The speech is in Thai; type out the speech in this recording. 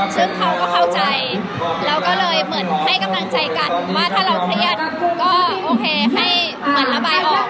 ซึ่งเขาก็เข้าใจแล้วก็เลยเหมือนให้กำลังใจกันว่าถ้าเราเครียดก็โอเคให้เหมือนระบายออก